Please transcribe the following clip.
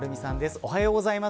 おはようございます。